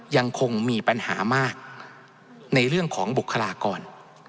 ยังคงมีปัญหามากในเรื่องของบุคลากร